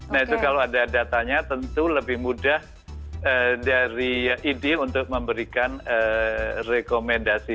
nah itu kalau ada datanya tentu lebih mudah dari idi untuk memberikan rekomendasi